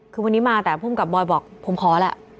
คือวันนี้มาแต่ภูมิกับบอยบอกผมขอแหละ